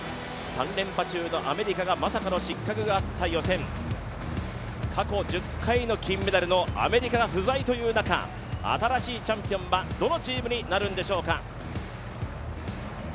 ３連覇中のアメリカがまさかの失格があった予選、過去１０回の金メダルのアメリカが不在という中新しいチャンピオンはどのチームになるんでしょうか。